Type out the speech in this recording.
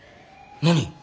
何？